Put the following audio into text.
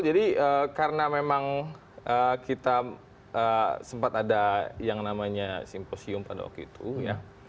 jadi karena memang kita sempat ada yang namanya simposium pada waktu itu ya